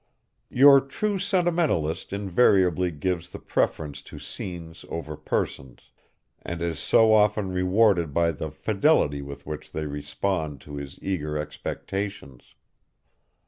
Your true sentimentalist invariably gives the preference to scenes over persons, and is so often rewarded by the fidelity with which they respond to his eager expectations.